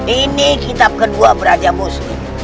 ini kitab kedua brajamus